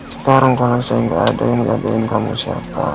sekarang kalau saya nggak ada yang jagain kamu siapa